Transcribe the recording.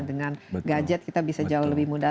dengan gadget kita bisa jauh lebih mudah